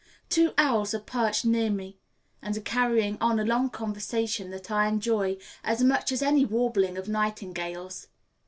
Two owls are perched near me, and are carrying on a long conversation that I enjoy as much as any warbling of nightingales.